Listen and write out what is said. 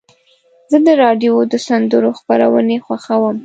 زه د راډیو د سندرو خپرونې خوښوم.